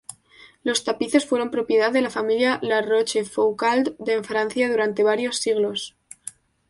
Los tapices fueron propiedad de la familia La Rochefoucauld de Francia durante varios siglos.